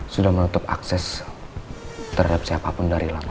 sudah menutup akses terhadap siapapun dari lama